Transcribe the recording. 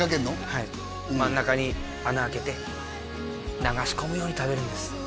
はい真ん中に穴あけて流し込むように食べるんです